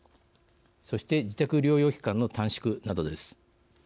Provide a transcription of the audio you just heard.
そして、自宅療養期間の短縮などです。